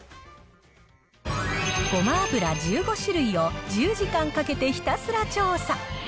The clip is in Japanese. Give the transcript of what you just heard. ごま油１５種類を１０時間かけてひたすら調査。